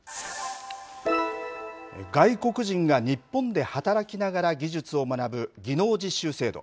外国人が日本で働きながら技術を学ぶ技能実習制度。